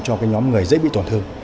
cho cái nhóm người dễ bị tổn thương